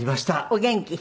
お元気？